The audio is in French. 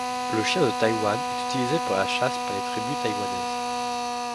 Le chien de Taïwan est utilisé pour la chasse par les tribus Taïwanaises.